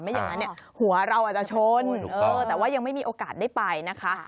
อย่างนั้นเนี่ยหัวเราอาจจะชนแต่ว่ายังไม่มีโอกาสได้ไปนะคะ